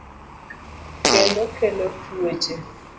kendo kelo tuoche.